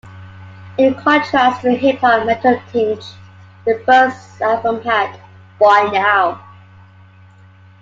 In contrast to the hip-hop-metal tinge the first album had, Buy Now...